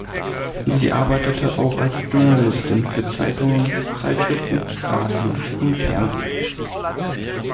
Sie arbeitete auch als Journalistin für Zeitungen, Zeitschriften, Radio und Fernsehen.